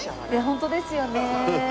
本当ですよね。